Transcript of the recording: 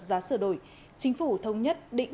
giá sửa đổi chính phủ thống nhất định